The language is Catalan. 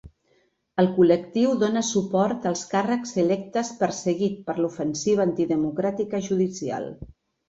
El col·lectiu dona suport als càrrecs electes perseguit per l'ofensiva antidemocràtica judicial.